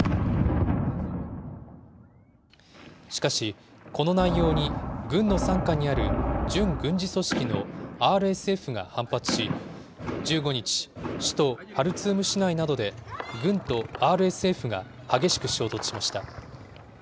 しかし、この内容に軍の傘下にある準軍事組織のＲＳＦが反発し、１５日、首都ハルツーム市内などで、軍とＲＳＦが激しく衝突しました。